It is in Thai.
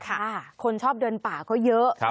คนชอบเดินป่าก็เยอะ